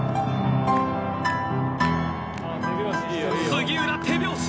杉浦手拍子。